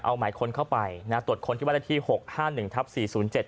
เอาหมายค้นเข้าไปนะตรวจค้นที่บ้านละที่หกห้าหนึ่งทับสี่ศูนย์เจ็ด